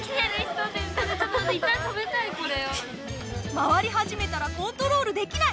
回り始めたらコントロールできない！